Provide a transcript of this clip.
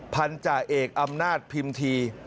พันธาเอกอำนาจพิมพี